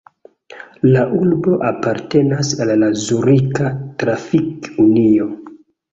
La urbo apartenas al la Zurika Trafik-Unio.